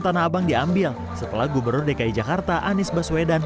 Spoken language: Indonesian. tanah abang diambil setelah gubernur dki jakarta anies baswedan